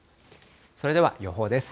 それでは予報です。